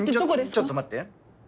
ちょちょっと待って。